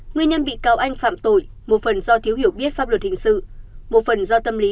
nguyên nhân bị cáo anh phạm tội một phần do thiếu hiểu biết pháp luật hình sự một phần do tâm lý